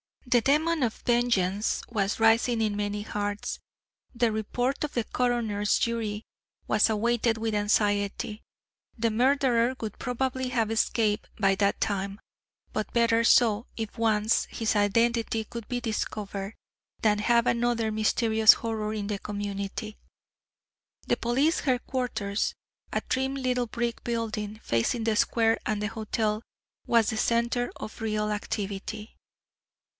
The demon of vengeance was rising in many hearts. The report of the coroner's jury was awaited with anxiety. The murderer would probably have escaped by that time but better so if once his identity could be discovered, than have another mysterious horror in the community. The police headquarters, a trim little brick building facing the square and the hotel, was the centre of real activity.